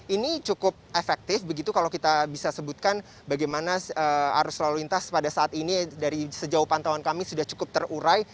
ini cukup efektif begitu kalau kita bisa sebutkan bagaimana arus lalu lintas pada saat ini dari sejauh pantauan kami sudah cukup terurai